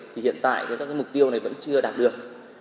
thì hiện tại các mục tiêu này vẫn chưa đạt được